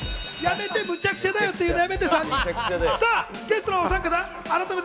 むちゃくちゃだよって言うのやめて！